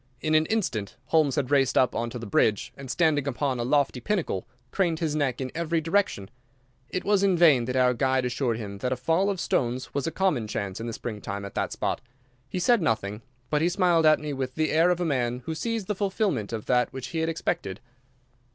In an instant Holmes had raced up on to the ridge, and, standing upon a lofty pinnacle, craned his neck in every direction. It was in vain that our guide assured him that a fall of stones was a common chance in the spring time at that spot. He said nothing, but he smiled at me with the air of a man who sees the fulfillment of that which he had expected.